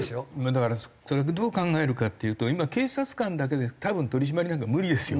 だからそれをどう考えるかっていうと今警察官だけで多分取り締まりなんか無理ですよ。